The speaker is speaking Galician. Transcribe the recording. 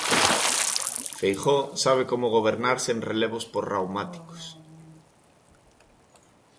Feijóo sabe como gobernarse en relevos posraumáticos.